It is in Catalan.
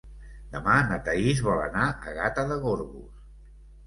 Demà na Thaís vol anar a Gata de Gorgos.